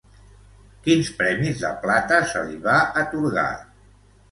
Quins premis de plata se li va atorgar?